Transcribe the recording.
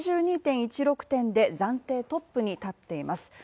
８２．１６点で暫定トップに立っています。